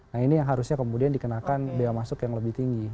nah ini yang harusnya kemudian dikenakan biaya masuk yang lebih tinggi